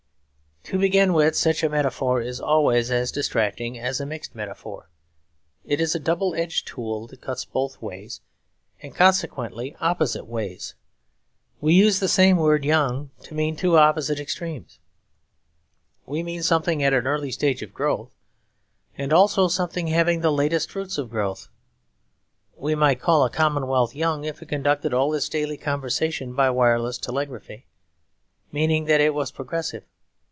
To begin with, such a metaphor is always as distracting as a mixed metaphor. It is a double edged tool that cuts both ways; and consequently opposite ways. We use the same word 'young' to mean two opposite extremes. We mean something at an early stage of growth, and also something having the latest fruits of growth. We might call a commonwealth young if it conducted all its daily conversation by wireless telegraphy; meaning that it was progressive.